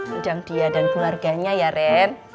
sedang dia dan keluarganya ya ren